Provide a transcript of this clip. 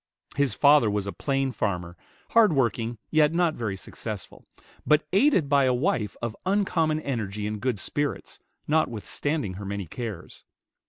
His father was a plain farmer, hard working, yet not very successful, but aided by a wife of uncommon energy and good spirits, notwithstanding her many cares.